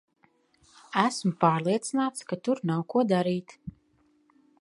Esmu pārliecināts, ka tur nav ko darīt.